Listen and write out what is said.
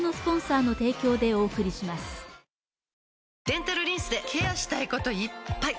デンタルリンスでケアしたいこといっぱい！